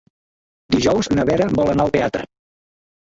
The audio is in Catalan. Dijous na Vera vol anar al teatre.